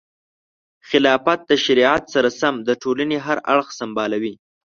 خلافت د شریعت سره سم د ټولنې هر اړخ سمبالوي.